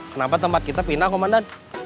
kenapa tempat kita pindah komandan